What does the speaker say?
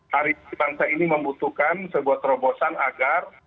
hari ini bangsa ini membutuhkan sebuah terobosan agar